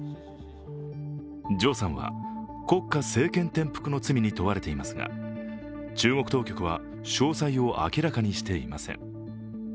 常さんは国家政権転覆の罪に問われていますが中国当局は詳細を明らかにしていません。